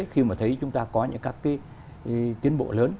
khi mà thấy chúng ta có những các cái tiến bộ lớn